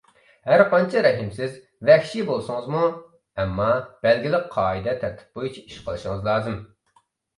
ھەر قانچە رەھىمسىز، ۋەھشىي بولسىڭىزمۇ، ئەمما بەلگىلىك قائىدە، تەرتىپ بويىچە ئىش قىلىشىڭىز لازىم.